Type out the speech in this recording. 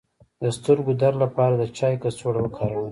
د سترګو درد لپاره د چای کڅوړه وکاروئ